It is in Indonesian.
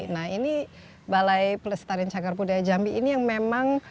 nah ini balai pelestarian cagar budaya jambi ini yang memang